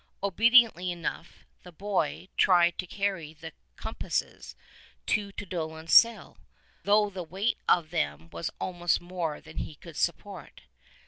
Obediently enough the boy tried to carry the ''compasses" to Tuedolin's cell, though the weight of them was almost more than he could support.